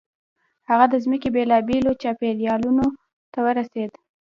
هغه د ځمکې بېلابېلو چاپېریالونو ته ورسېد.